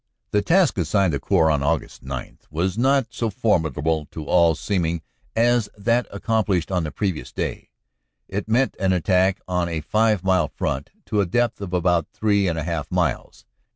The task assigned the Corps on Aug. 9 was not so formid able to all seeming as that accomplished on the previous day. 54 CANADA S HUNDRED DAYS It meant an attack on a five mile front to a depth of about three and a half miles.